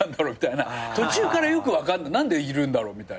途中からよく分かんない何でいるんだろうみたいな。